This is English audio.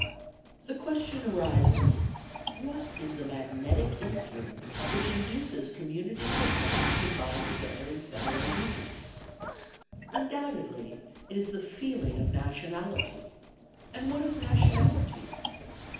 The question arises, What is the magnetic influence which induces communities of men to combine together in federal unions? Undoubtedly it is the feeling of nationality; and what is nationality?